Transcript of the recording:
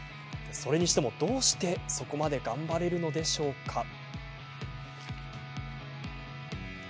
それにしても、どうしてそこまで頑張れるのでしょうか。